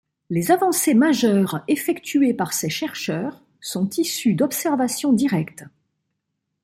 Les avancées majeures effectuées par ces chercheurs sont issues d'observations directes.